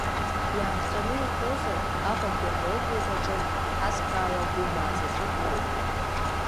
Иаахҵәаны иуҳәозар, Аҟәатәи аокруг аҿынтә иҳацхраауа гәымаа заҵәык роуп.